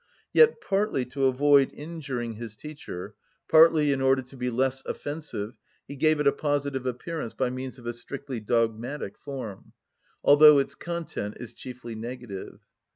Yet partly to avoid injuring his teacher, partly in order to be less offensive, he gave it a positive appearance by means of a strictly dogmatic form, although its content is chiefly negative.